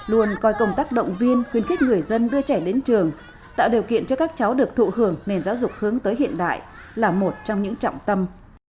luôn coi công tác động viên khuyến khích người dân đưa trẻ đến trường tạo điều kiện cho các cháu được thụ hưởng nền giáo dục hướng tới hiện đại là một trong những trọng tâm